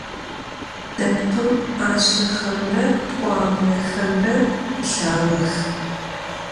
Depkhım 'aşşexemre p'uablexemre pılhağex.